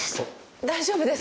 大丈夫ですか？